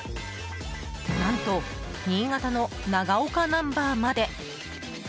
何と、新潟の長岡ナンバーまで。